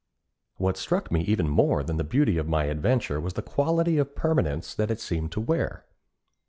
What struck me even more than the beauty of my adventure was the quality of permanence that it seemed to wear.